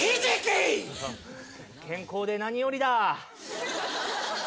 健康で何よりだ。